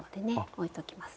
おいときますね。